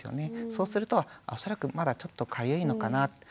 そうすると恐らくまだちょっとかゆいのかなって。